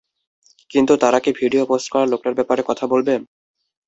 কিন্তু তারা কি ভিডিও পোস্ট করা লোকটার ব্যাপারে কথা বলবে?